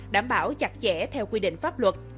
đảm bảo chặt chẽ theo quy định pháp luật